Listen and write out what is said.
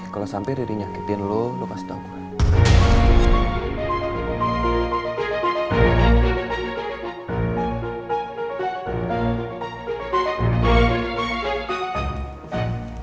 kalo sampe riri nyakitin lo lo kasih tau gua